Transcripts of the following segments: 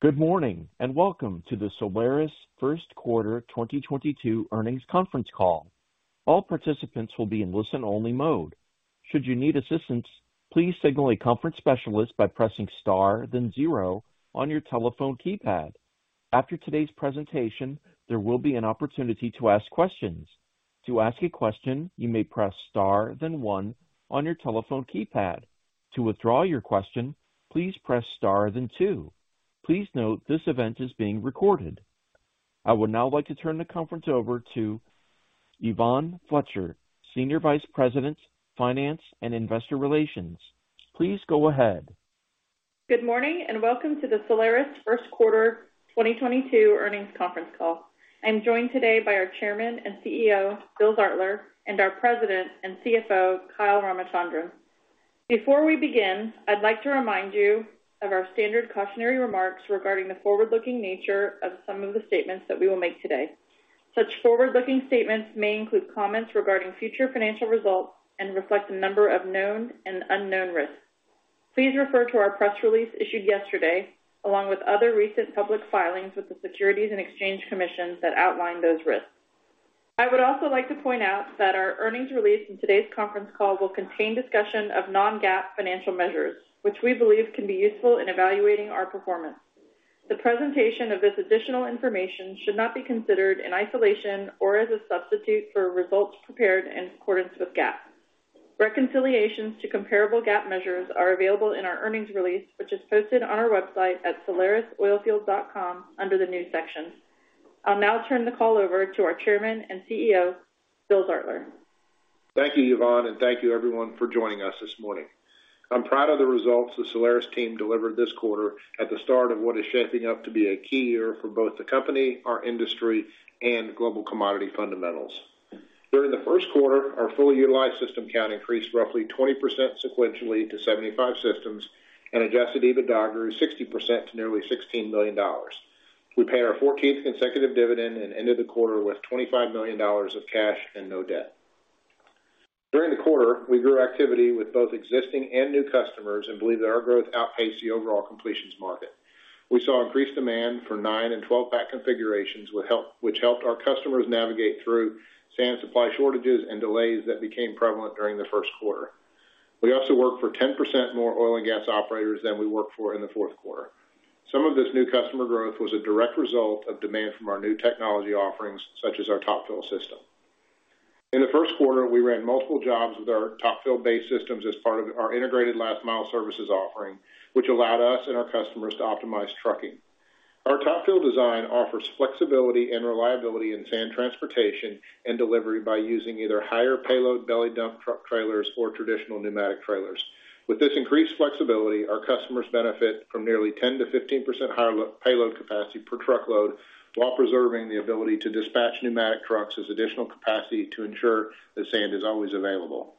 Good morning, and welcome to the Solaris first quarter 2022 earnings conference call. All participants will be in listen-only mode. Should you need assistance, please signal a conference specialist by pressing Star, then zero on your telephone keypad. After today's presentation, there will be an opportunity to ask questions. To ask a question, you may press Star, then one on your telephone keypad. To withdraw your question, please press Star, then two. Please note this event is being recorded. I would now like to turn the conference over to Yvonne Fletcher, Senior Vice President, Finance and Investor Relations. Please go ahead. Good morning and welcome to the Solaris first quarter 2022 earnings conference call. I'm joined today by our Chairman and CEO, Bill Zartler, and our President and CFO, Kyle Ramachandran. Before we begin, I'd like to remind you of our standard cautionary remarks regarding the forward-looking nature of some of the statements that we will make today. Such forward-looking statements may include comments regarding future financial results and reflect a number of known and unknown risks. Please refer to our press release issued yesterday, along with other recent public filings with the Securities and Exchange Commission that outline those risks. I would also like to point out that our earnings release in today's conference call will contain discussion of non-GAAP financial measures, which we believe can be useful in evaluating our performance. The presentation of this additional information should not be considered in isolation or as a substitute for results prepared in accordance with GAAP. Reconciliations to comparable GAAP measures are available in our earnings release, which is posted on our website at solarisoilfield.com under the news section. I'll now turn the call over to our Chairman and CEO, Bill Zartler. Thank you, Yvonne, and thank you everyone for joining us this morning. I'm proud of the results the Solaris team delivered this quarter at the start of what is shaping up to be a key year for both the company, our industry, and global commodity fundamentals. During the first quarter, our fully utilized system count increased roughly 20% sequentially to 75 systems, and adjusted EBITDA grew 60% to nearly $16 million. We paid our 14th consecutive dividend and ended the quarter with $25 million of cash and no debt. During the quarter, we grew activity with both existing and new customers and believe that our growth outpaced the overall completions market. We saw increased demand for nine and twelve-pack configurations which helped our customers navigate through sand supply shortages and delays that became prevalent during the first quarter. We also worked for 10% more oil and gas operators than we worked for in the fourth quarter. Some of this new customer growth was a direct result of demand from our new technology offerings, such as our Top Fill system. In the first quarter, we ran multiple jobs with our Top Fill based systems as part of our integrated Last Mile services offering, which allowed us and our customers to optimize trucking. Our Top Fill design offers flexibility and reliability in sand transportation and delivery by using either higher payload belly dump truck trailers or traditional pneumatic trailers. With this increased flexibility, our customers benefit from nearly 10%-15% higher payload capacity per truckload while preserving the ability to dispatch pneumatic trucks as additional capacity to ensure that sand is always available.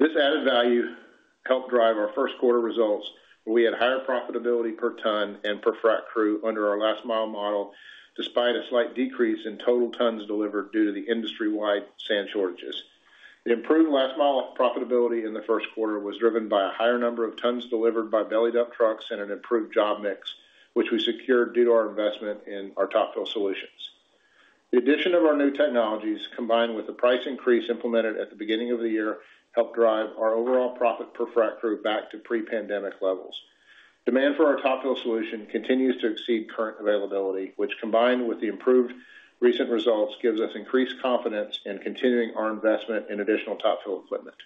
This added value helped drive our first quarter results, where we had higher profitability per ton and per frac crew under our Last Mile model, despite a slight decrease in total tons delivered due to the industry-wide sand shortages. The improved Last Mile profitability in the first quarter was driven by a higher number of tons delivered by belly dump trucks and an improved job mix, which we secured due to our investment in our Top Fill solutions. The addition of our new technologies, combined with the price increase implemented at the beginning of the year, helped drive our overall profit per frac crew back to pre-pandemic levels. Demand for our Top Fill solution continues to exceed current availability, which, combined with the improved recent results, gives us increased confidence in continuing our investment in additional Top Fill equipment.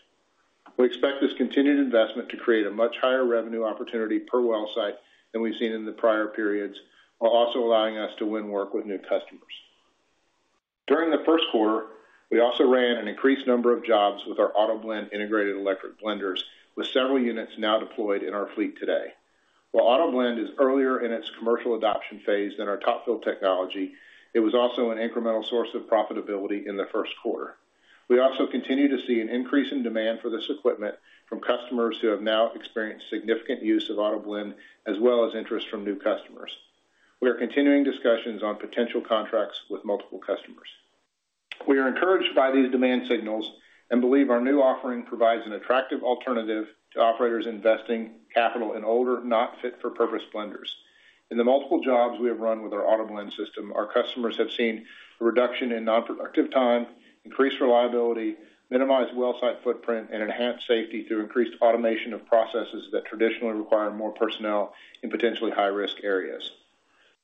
We expect this continued investment to create a much higher revenue opportunity per well site than we've seen in the prior periods, while also allowing us to win work with new customers. During the first quarter, we also ran an increased number of jobs with our AutoBlend integrated electric blenders, with several units now deployed in our fleet today. While AutoBlend is earlier in its commercial adoption phase than our Top-Fill technology, it was also an incremental source of profitability in the first quarter. We also continue to see an increase in demand for this equipment from customers who have now experienced significant use of AutoBlend, as well as interest from new customers. We are continuing discussions on potential contracts with multiple customers. We are encouraged by these demand signals and believe our new offering provides an attractive alternative to operators investing capital in older, not fit for purpose blenders. In the multiple jobs we have run with our AutoBlend system, our customers have seen a reduction in non-productive time, increased reliability, minimized well site footprint, and enhanced safety through increased automation of processes that traditionally require more personnel in potentially high-risk areas.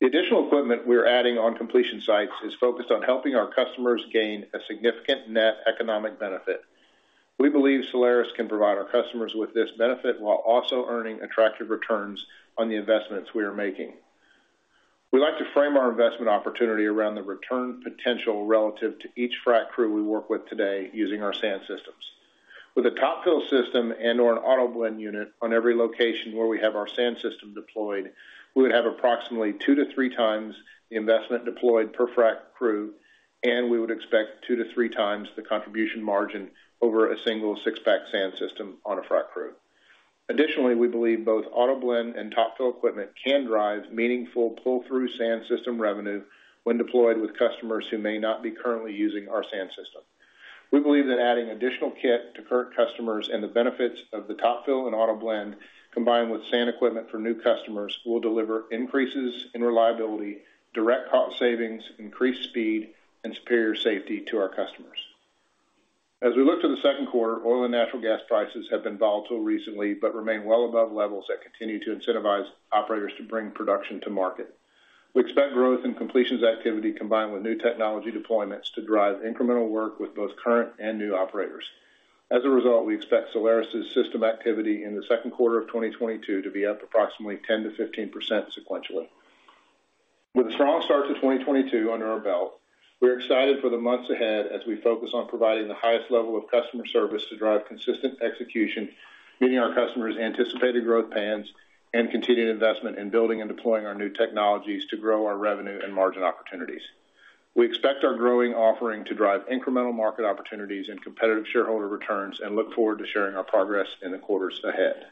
The additional equipment we're adding on completion sites is focused on helping our customers gain a significant net economic benefit. We believe Solaris can provide our customers with this benefit while also earning attractive returns on the investments we are making. We like to frame our investment opportunity around the return potential relative to each frac crew we work with today using our sand systems. With a Top Fill system and/or an AutoBlend unit on every location where we have our sand system deployed, we would have approximately 2-3 times the investment deployed per frac crew, and we would expect 2-3 times the contribution margin over a single six-pack sand system on a frac crew. Additionally, we believe both AutoBlend and Top Fill equipment can drive meaningful pull-through sand system revenue when deployed with customers who may not be currently using our sand system. We believe that adding additional kit to current customers and the benefits of the Top Fill and AutoBlend, combined with sand equipment for new customers, will deliver increases in reliability, direct cost savings, increased speed, and superior safety to our customers. As we look to the second quarter, oil and natural gas prices have been volatile recently, but remain well above levels that continue to incentivize operators to bring production to market. We expect growth in completions activity combined with new technology deployments to drive incremental work with both current and new operators. As a result, we expect Solaris' system activity in the second quarter of 2022 to be up approximately 10%-15% sequentially. With a strong start to 2022 under our belt, we're excited for the months ahead as we focus on providing the highest level of customer service to drive consistent execution, meeting our customers' anticipated growth plans, and continued investment in building and deploying our new technologies to grow our revenue and margin opportunities. We expect our growing offering to drive incremental market opportunities and competitive shareholder returns, and look forward to sharing our progress in the quarters ahead.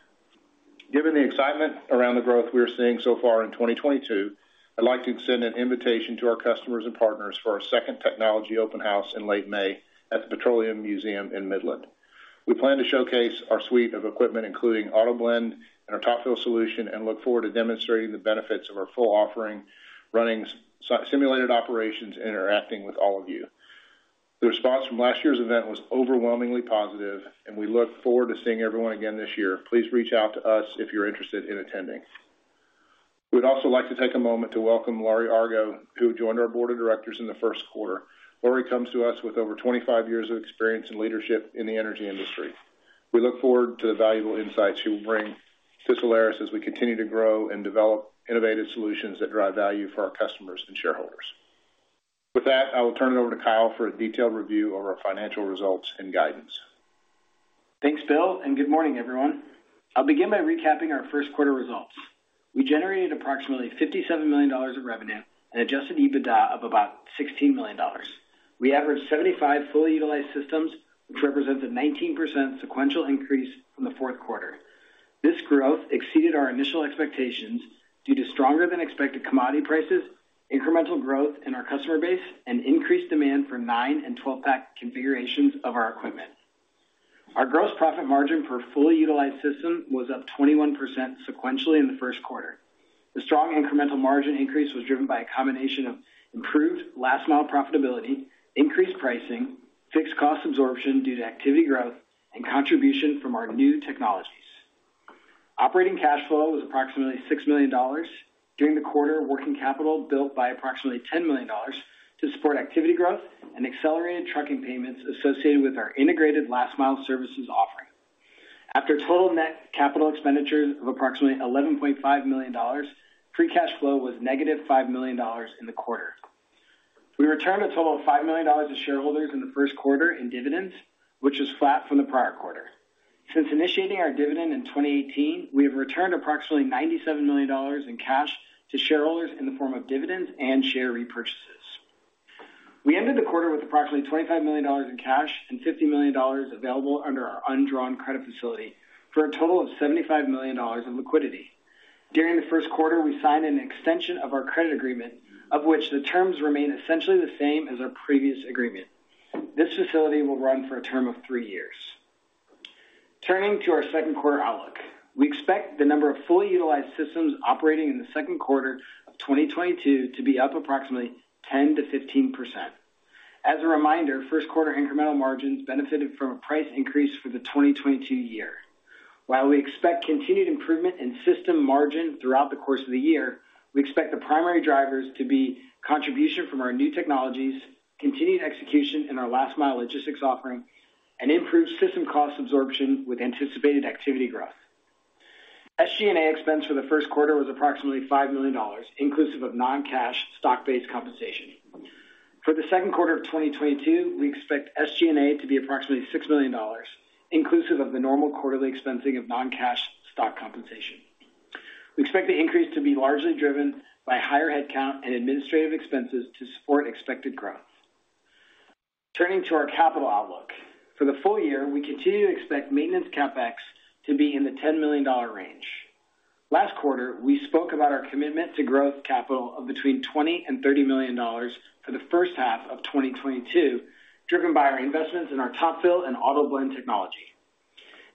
Given the excitement around the growth we are seeing so far in 2022, I'd like to extend an invitation to our customers and partners for our second technology open house in late May at the Petroleum Museum in Midland. We plan to showcase our suite of equipment, including AutoBlend and our Top Fill solution, and look forward to demonstrating the benefits of our full offering, running simulated operations, and interacting with all of you. The response from last year's event was overwhelmingly positive, and we look forward to seeing everyone again this year. Please reach out to us if you're interested in attending. We'd also like to take a moment to welcome Laurie Argo, who joined our board of directors in the first quarter. Laurie comes to us with over 25 years of experience and leadership in the energy industry. We look forward to the valuable insights she will bring to Solaris as we continue to grow and develop innovative solutions that drive value for our customers and shareholders. With that, I will turn it over to Kyle for a detailed review of our financial results and guidance. Thanks, Bill, and good morning, everyone. I'll begin by recapping our first quarter results. We generated approximately $57 million of revenue and adjusted EBITDA of about $16 million. We averaged 75 fully utilized systems, which represents a 19% sequential increase from the fourth quarter. This growth exceeded our initial expectations due to stronger than expected commodity prices, incremental growth in our customer base, and increased demand for 9 and 12-pack configurations of our equipment. Our gross profit margin per fully utilized system was up 21% sequentially in the first quarter. The strong incremental margin increase was driven by a combination of improved last-mile profitability, increased pricing, fixed cost absorption due to activity growth, and contribution from our new technologies. Operating cash flow was approximately $6 million. During the quarter, working capital built by approximately $10 million to support activity growth and accelerated trucking payments associated with our integrated last-mile services offering. After total net capital expenditures of approximately $11.5 million, free cash flow was -$5 million in the quarter. We returned a total of $5 million to shareholders in the first quarter in dividends, which was flat from the prior quarter. Since initiating our dividend in 2018, we have returned approximately $97 million in cash to shareholders in the form of dividends and share repurchases. We ended the quarter with approximately $25 million in cash and $50 million available under our undrawn credit facility, for a total of $75 million in liquidity. During the first quarter, we signed an extension of our credit agreement, of which the terms remain essentially the same as our previous agreement. This facility will run for a term of 3 years. Turning to our second quarter outlook. We expect the number of fully utilized systems operating in the second quarter of 2022 to be up approximately 10%-15%. As a reminder, first quarter incremental margins benefited from a price increase for the 2022 year. While we expect continued improvement in system margin throughout the course of the year, we expect the primary drivers to be contribution from our new technologies, continued execution in our Last Mile logistics offering, and improved system cost absorption with anticipated activity growth. SG&A expense for the first quarter was approximately $5 million, inclusive of non-cash stock-based compensation. For the second quarter of 2022, we expect SG&A to be approximately $6 million, inclusive of the normal quarterly expensing of non-cash stock compensation. We expect the increase to be largely driven by higher headcount and administrative expenses to support expected growth. Turning to our capital outlook. For the full year, we continue to expect maintenance CapEx to be in the $10 million range. Last quarter, we spoke about our commitment to growth capital of between $20 million and $30 million for the first half of 2022, driven by our investments in our Top Fill and AutoBlend technology.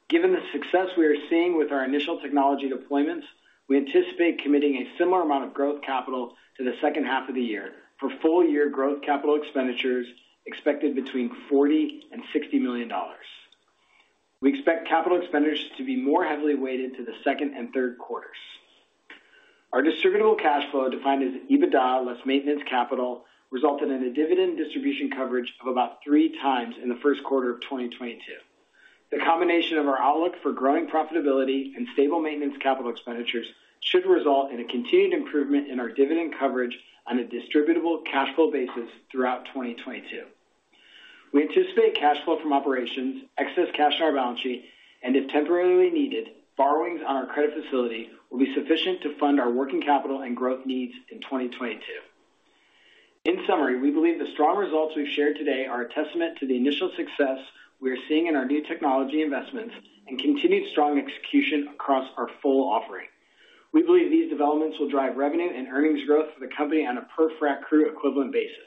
Given the success we are seeing with our initial technology deployments, we anticipate committing a similar amount of growth capital to the second half of the year for full-year growth capital expenditures expected between $40 million and $60 million. We expect capital expenditures to be more heavily weighted to the second and third quarters. Our distributable cash flow, defined as EBITDA less maintenance capital, resulted in a dividend distribution coverage of about three times in the first quarter of 2022. The combination of our outlook for growing profitability and stable maintenance capital expenditures should result in a continued improvement in our dividend coverage on a distributable cash flow basis throughout 2022. We anticipate cash flow from operations, excess cash in our balance sheet, and if temporarily needed, borrowings on our credit facility will be sufficient to fund our working capital and growth needs in 2022. In summary, we believe the strong results we've shared today are a testament to the initial success we are seeing in our new technology investments and continued strong execution across our full offering. We believe these developments will drive revenue and earnings growth for the company on a per frac crew equivalent basis.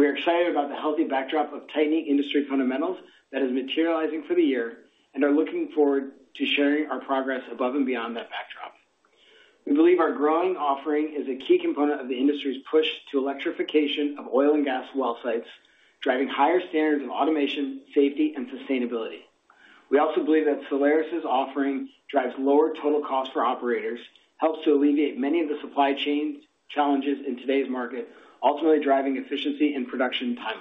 We are excited about the healthy backdrop of tightening industry fundamentals that is materializing for the year and are looking forward to sharing our progress above and beyond that backdrop. We believe our growing offering is a key component of the industry's push to electrification of oil and gas well sites, driving higher standards of automation, safety, and sustainability. We also believe that Solaris' offering drives lower total cost for operators, helps to alleviate many of the supply chain challenges in today's market, ultimately driving efficiency and production timelines.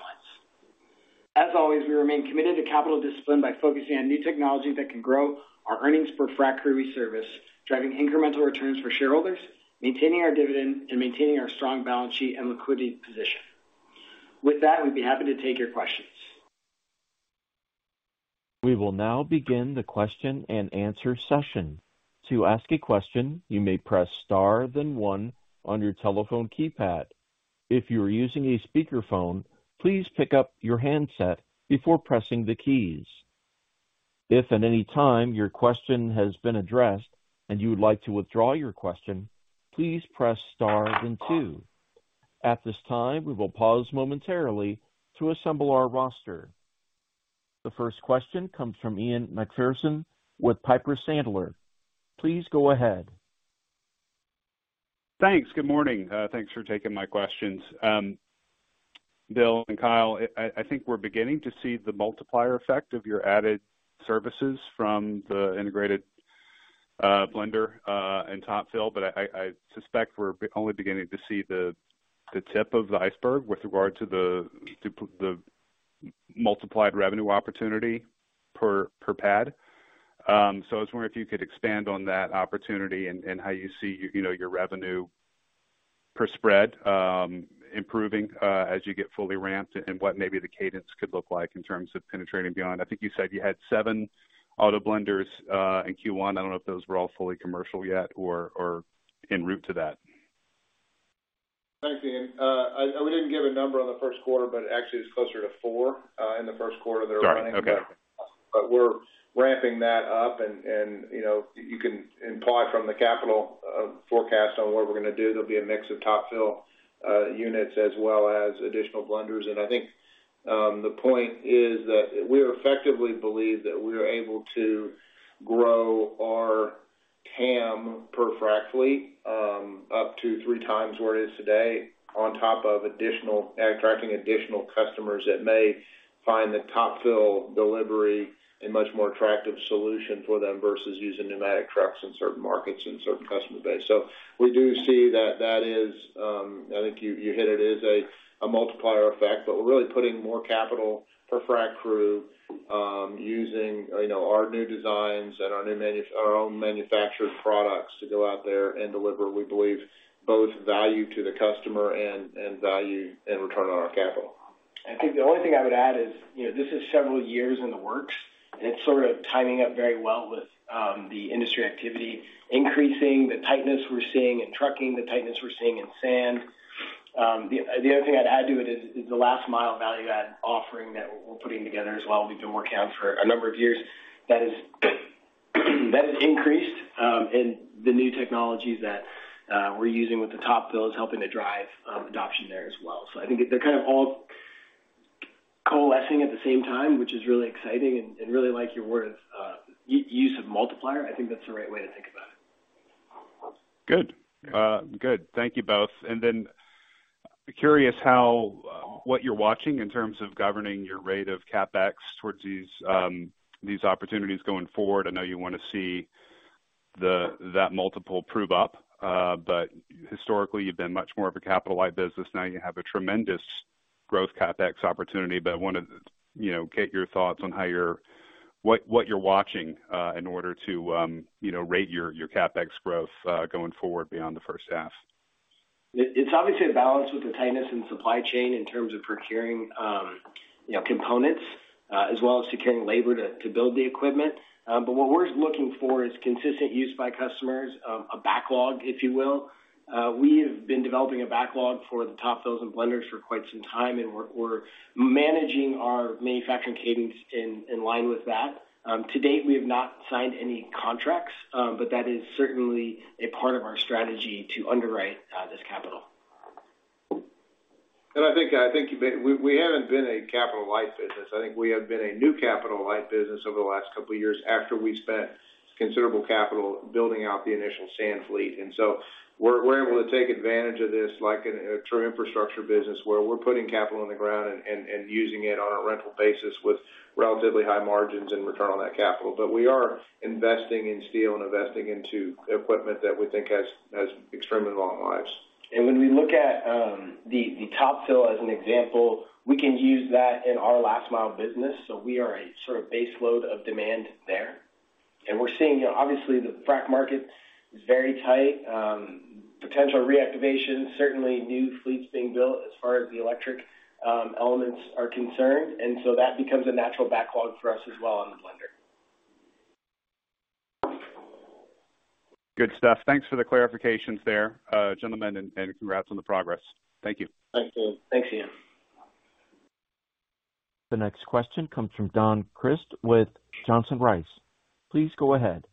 We remain committed to capital discipline by focusing on new technologies that can grow our earnings per frac crew we service, driving incremental returns for shareholders, maintaining our dividend, and maintaining our strong balance sheet and liquidity position. With that, we'd be happy to take your questions. We will now begin the question-and-answer session. To ask a question, you may press star then one on your telephone keypad. If you are using a speakerphone, please pick up your handset before pressing the keys. If at any time your question has been addressed and you would like to withdraw your question, please press star then two. At this time, we will pause momentarily to assemble our roster. The first question comes from Ian Macpherson with Piper Sandler. Please go ahead. Thanks. Good morning. Thanks for taking my questions. Bill and Kyle, I think we're beginning to see the multiplier effect of your added services from the integrated blender and Top Fill, but I suspect we're only beginning to see the tip of the iceberg with regard to the multiplied revenue opportunity per pad. So I was wondering if you could expand on that opportunity and how you see, you know, your revenue per spread improving as you get fully ramped and what maybe the cadence could look like in terms of penetrating beyond. I think you said you had seven AutoBlends in Q1. I don't know if those were all fully commercial yet or en route to that. Thanks, Ian. We didn't give a number on the first quarter, but actually it's closer to four in the first quarter that are running. Sorry. Okay. We're ramping that up and you know, you can imply from the CapEx forecast on what we're gonna do. There'll be a mix of Top Fill units as well as additional blenders. I think the point is that we effectively believe that we are able to grow our TAM per frac fleet up to 3 times where it is today on top of attracting additional customers that may find the Top Fill delivery a much more attractive solution for them versus using pneumatic trucks in certain markets and certain customer base. We do see that is, I think you hit it, is a multiplier effect, but we're really putting more capital per frac crew, using, you know, our new designs and our own manufactured products to go out there and deliver, we believe, both value to the customer and value and return on our capital. I think the only thing I would add is, you know, this is several years in the works, and it's sort of lining up very well with the industry activity, increasing the tightness we're seeing in trucking, the tightness we're seeing in sand. The other thing I'd add to it is the Last Mile value add offering that we're putting together as well. We've been working on for a number of years. That is increased, and the new technologies that we're using with the Top Fill is helping to drive adoption there as well. I think they're kind of all coalescing at the same time, which is really exciting and really like your word use of multiplier. I think that's the right way to think about it. Good. Good. Thank you both. Curious how what you're watching in terms of governing your rate of CapEx towards these opportunities going forward. I know you wanna see that multiple prove up. But historically, you've been much more of a capital light business. Now you have a tremendous growth CapEx opportunity, but wanna, you know, get your thoughts on what you're watching in order to, you know, rate your CapEx growth going forward beyond the first half. It's obviously a balance with the tightness in supply chain in terms of procuring, you know, components, as well as securing labor to build the equipment. What we're looking for is consistent use by customers of a backlog, if you will. We have been developing a backlog for the Top Fills and blenders for quite some time, and we're managing our manufacturing cadence in line with that. To date, we have not signed any contracts, but that is certainly a part of our strategy to underwrite this capital. We haven't been a capital light business. I think we have been a capital light business over the last couple of years after we spent considerable capital building out the initial sand fleet. We're able to take advantage of this like in a true infrastructure business where we're putting capital on the ground and using it on a rental basis with relatively high margins and return on that capital. But we are investing in steel and investing into equipment that we think has extremely long lives. When we look at the Top Fill as an example, we can use that in our Last Mile business. We are a sort of base load of demand there. We're seeing, you know, obviously the frac market is very tight, potential reactivation, certainly new fleets being built as far as the electric elements are concerned. That becomes a natural backlog for us as well on the blender. Good stuff. Thanks for the clarifications there, gentlemen, and congrats on the progress. Thank you. Thanks, Ian. The next question comes from Don Crist with Johnson Rice. Please go ahead.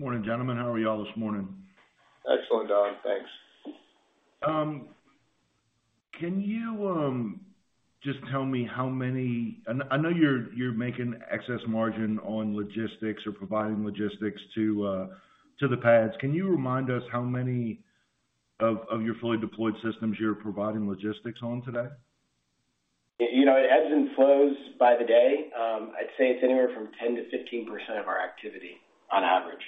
Morning, gentlemen. How are you all this morning? Excellent, Don. Thanks. I know you're making excess margin on logistics or providing logistics to the pads. Can you remind us how many of your fully deployed systems you're providing logistics on today? You know, it ebbs and flows by the day. I'd say it's anywhere from 10%-15% of our activity on average.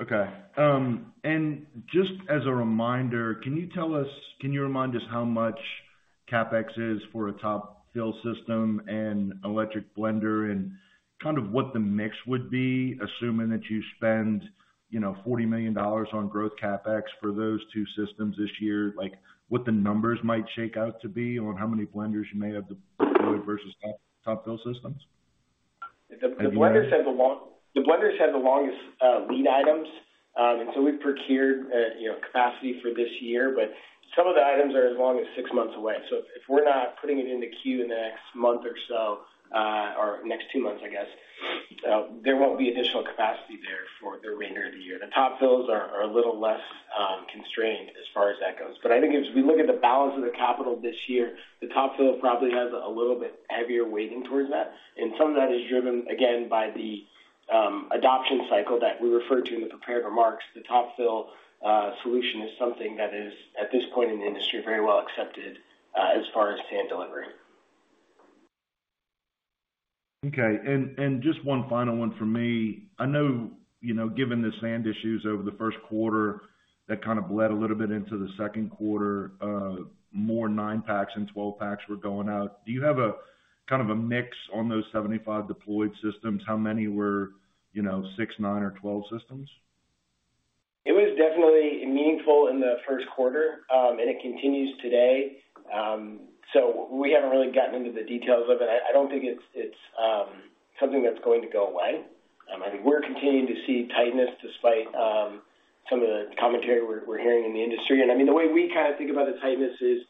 Okay. Just as a reminder, can you remind us how much CapEx is for a Top Fill system and electric blender and kind of what the mix would be, assuming that you spend, you know, $40 million on growth CapEx for those two systems this year, like what the numbers might shake out to be on how many blenders you may have deployed versus Top Fill systems? The blenders have the longest lead times. We've procured, you know, capacity for this year, but some of the items are as long as six months away. If we're not putting it into queue in the next month or so, or next two months, I guess, there won't be additional capacity there for the remainder of the year. The Top Fills are a little less constrained as far as that goes. I think as we look at the balance of the capital this year, the Top Fill probably has a little bit heavier weighting towards that. Some of that is driven, again, by the adoption cycle that we referred to in the prepared remarks. The Top Fill solution is something that is, at this point in the industry, very well accepted, as far as sand delivery. Okay. Just one final one from me. I know, you know, given the sand issues over the first quarter that kind of bled a little bit into the second quarter, more 9-packs and 12-packs were going out. Do you have a kind of a mix on those 75 deployed systems? How many were, you know, 6, 9 or 12 systems? It was definitely meaningful in the first quarter, and it continues today. We haven't really gotten into the details of it. I don't think it's something that's going to go away. I think we're continuing to see tightness despite some of the commentary we're hearing in the industry. I mean, the way we kind of think about the tightness is,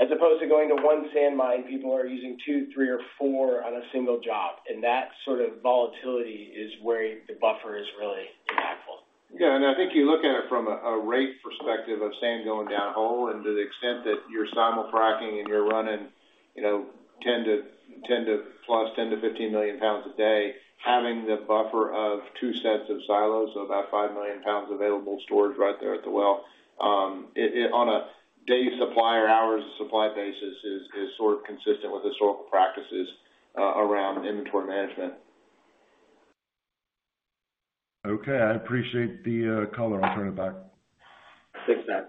as opposed to going to one sand mine, people are using two, three or four on a single job. That sort of volatility is where the buffer is really impactful. Yeah. I think you look at it from a rate perspective of sand going downhole, and to the extent that you're simul-fracking and you're running, you know, 10 to 10-plus, 10 to 15 million pounds a day, having the buffer of two sets of silos, about 5 million pounds available storage right there at the well, it on a day's supply or hours of supply basis is sort of consistent with historical practices around inventory management. Okay. I appreciate the color. I'll turn it back. Thanks, Don.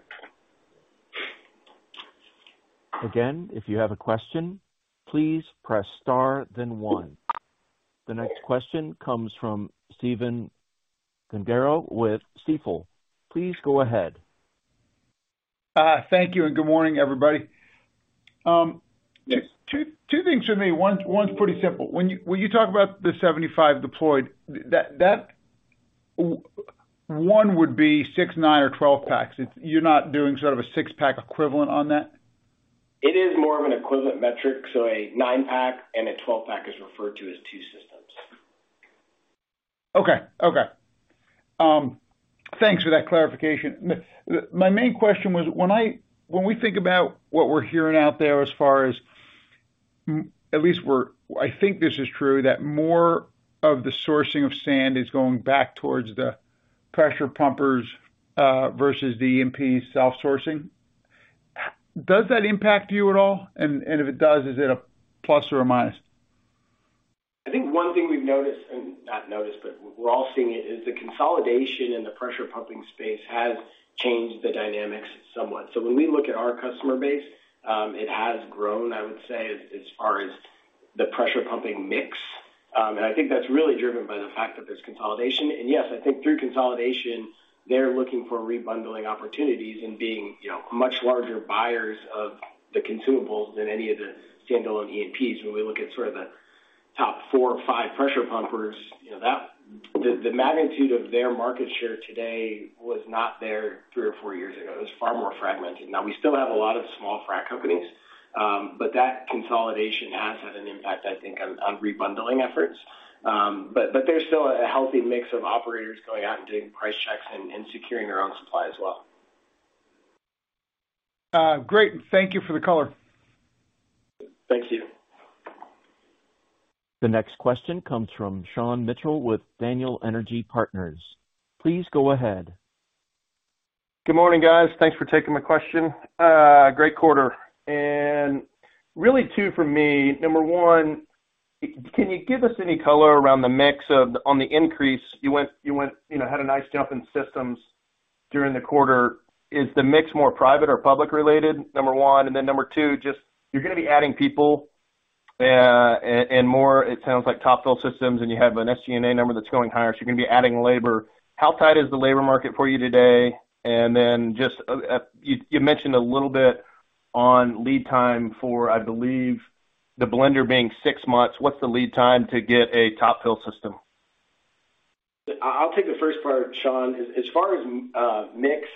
Again, if you have a question, please press star then one. The next question comes from Stephen Gengaro with Stifel. Please go ahead. Thank you and good morning, everybody. Two things for me. One's pretty simple. When you talk about the 75 deployed, that one would be 6, 9 or 12 packs. Is it you're not doing sort of a six-pack equivalent on that? It is more of an equivalent metric, so a 9-pack and a 12-pack is referred to as 2 systems. Okay, thanks for that clarification. My main question was when we think about what we're hearing out there as far as I think this is true, that more of the sourcing of sand is going back towards the pressure pumpers versus the E&P self-sourcing. Does that impact you at all? If it does, is it a plus or a minus? I think one thing we've noticed, and not noticed, but we're all seeing it, is the consolidation in the pressure pumping space has changed the dynamics somewhat. When we look at our customer base, it has grown, I would say, as far as the pressure pumping mix. I think that's really driven by the fact that there's consolidation. Yes, I think through consolidation, they're looking for rebundling opportunities and being, you know, much larger buyers of the consumables than any of the standalone E&Ps. When we look at sort of the top four or five pressure pumpers, you know, that the magnitude of their market share today was not there three or four years ago. It was far more fragmented. Now, we still have a lot of small frac companies, but that consolidation has had an impact, I think, on rebundling efforts. There's still a healthy mix of operators going out and doing price checks and securing their own supply as well. Great. Thank you for the color. Thanks, Stephen. The next question comes from Sean Mitchell with Daniel Energy Partners. Please go ahead. Good morning, guys. Thanks for taking my question. Great quarter. Really two for me. Number 1, can you give us any color around the mix of the on the increase, you went, you know, had a nice jump in systems during the quarter. Is the mix more private or public related? Number 1, and then number 2, just you're gonna be adding people, and more, it sounds like Top Fill systems, and you have an SG&A number that's going higher, so you're gonna be adding labor. How tight is the labor market for you today? And then just, you mentioned a little bit on lead time for, I believe, the blender being 6 months. What's the lead time to get a Top Fill system? I'll take the first part, Sean. As far as mix,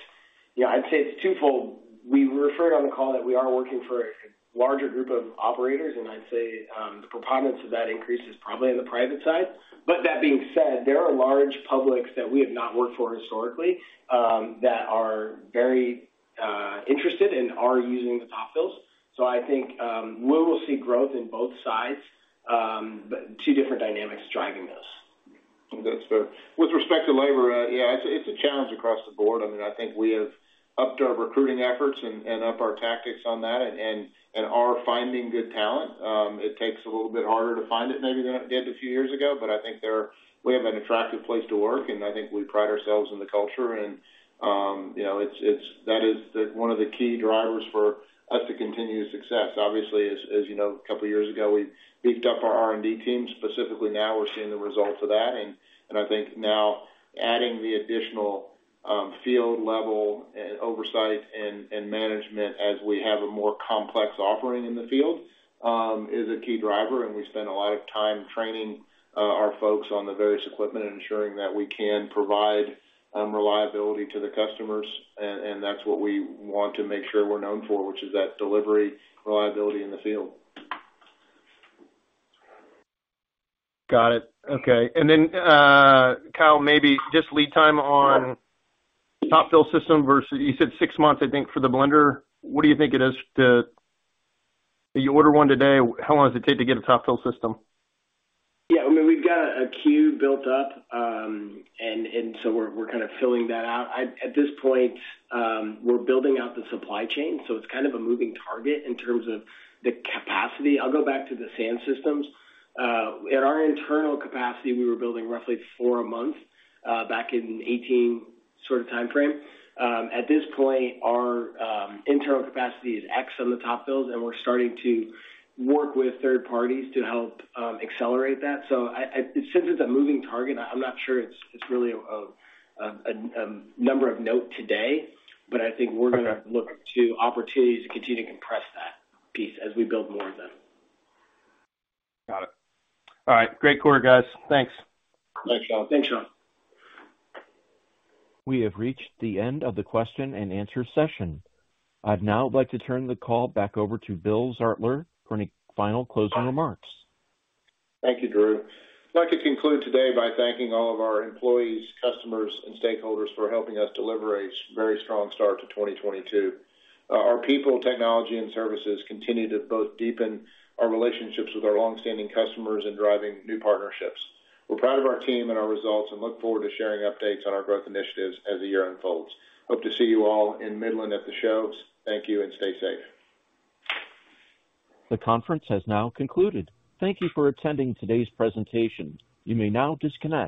yeah, I'd say it's twofold. We referred on the call that we are working for a larger group of operators, and I'd say the preponderance of that increase is probably on the private side. That being said, there are large publics that we have not worked for historically that are very interested and are using the Top Fill. I think we will see growth in both sides, but two different dynamics driving those. That's fair. With respect to labor, yeah, it's a challenge across the board. I mean, I think we have upped our recruiting efforts and up our tactics on that and are finding good talent. It takes a little bit harder to find it maybe than it did a few years ago, but I think we have an attractive place to work, and I think we pride ourselves in the culture and, you know, that is one of the key drivers for us to continue success. Obviously, as you know, a couple years ago, we beefed up our R&D team specifically. Now we're seeing the results of that. I think now adding the additional field level and oversight and management as we have a more complex offering in the field is a key driver. We spend a lot of time training our folks on the various equipment and ensuring that we can provide reliability to the customers. That's what we want to make sure we're known for, which is that delivery reliability in the field. Got it. Okay. Kyle, maybe just lead time on Top Fill system. You said 6 months, I think, for the blender. What do you think it is? You order one today, how long does it take to get a Top Fill system? Yeah, I mean, we've got a queue built up, and so we're kind of filling that out. At this point, we're building out the supply chain, so it's kind of a moving target in terms of the capacity. I'll go back to the sand systems. At our internal capacity, we were building roughly 4 a month, back in 2018 sort of timeframe. At this point, our internal capacity is X on the Top Fills, and we're starting to work with third parties to help accelerate that. Since it's a moving target, I'm not sure it's really a number of note today. I think we're gonna look to opportunities to continue to compress that piece as we build more of them. Got it. All right. Great quarter, guys. Thanks. Thanks, Sean. Thanks, Sean. We have reached the end of the question and answer session. I'd now like to turn the call back over to Bill Zartler for any final closing remarks. Thank you, Drew. I'd like to conclude today by thanking all of our employees, customers and stakeholders for helping us deliver a very strong start to 2022. Our people, technology and services continue to both deepen our relationships with our longstanding customers and driving new partnerships. We're proud of our team and our results, and look forward to sharing updates on our growth initiatives as the year unfolds. Hope to see you all in Midland at the shows. Thank you, and stay safe. The conference has now concluded. Thank you for attending today's presentation. You may now disconnect.